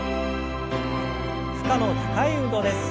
負荷の高い運動です。